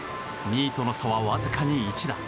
２位との差はわずかに１打。